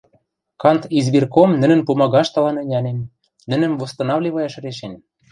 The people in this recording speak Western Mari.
кантизбирком нӹнӹн пумагаштылан ӹнянен, нӹнӹм восстанавливаяш решен.